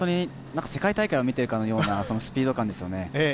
世界大会を見ているかのようなスピード感ですよね。